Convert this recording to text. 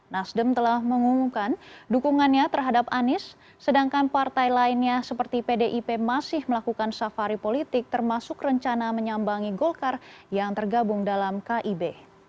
nasdem telah mengumumkan dukungannya terhadap anies sedangkan partai lainnya seperti pdip masih melakukan safari politik termasuk rencana menyambangi golkar yang tergabung dalam kib